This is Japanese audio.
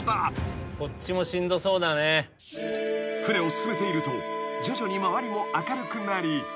［船を進めていると徐々に周りも明るくなり］